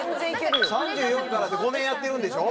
３４からで５年やってるんでしょ？